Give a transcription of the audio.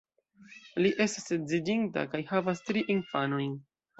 Li estas edziĝinta, kaj havas tri infanojn.